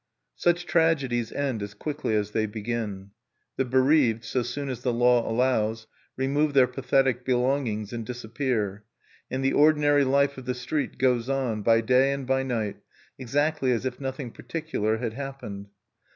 Such tragedies end as quickly as they begin. The bereaved, so soon as the law allows, remove their pathetic belongings, and disappear; and the ordinary life of the street goes on, by day and by night, exactly as if nothing particular had happened.